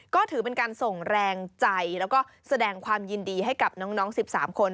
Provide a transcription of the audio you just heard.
ก็ถือเป็นการส่งแรงใจแล้วก็แสดงความยินดีให้กับน้อง๑๓คน